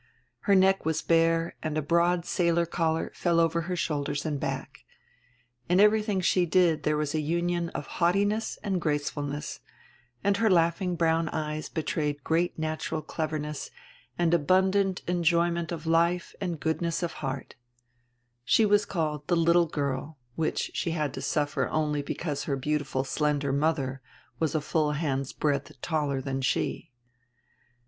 Her neck was bare and a broad sailor collar fell over her shoulders and back. In every thing she did there was a union of haughtiness and grace fulness, and her laughing brown eyes betrayed great nat ural cleverness and abundant enjoyment of life and good ness of heart She was called the "little girl," which she had to suffer only because her beautiful slender mother was a full hand's breadth taller than she.